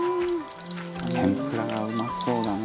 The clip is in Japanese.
「天ぷらがうまそうだな」